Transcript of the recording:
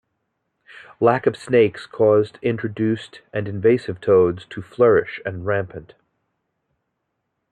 Lack of snakes caused introduced and invasive toads to flourish and rampant.